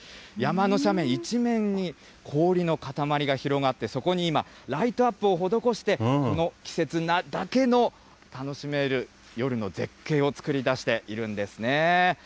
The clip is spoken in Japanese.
山の斜面一面に、氷の塊が広がって、そこに今、ライトアップを施して、この季節だけの楽しめる夜の絶景を作り出しているんですね。